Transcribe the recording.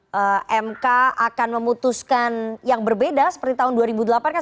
apakah mk akan memutuskan yang berbeda seperti tahun dua ribu delapan kan